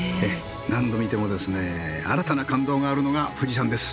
何度見てもですね新たな感動があるのが富士山です。